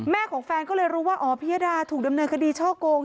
ของแฟนก็เลยรู้ว่าอ๋อพิยดาถูกดำเนินคดีช่อโกง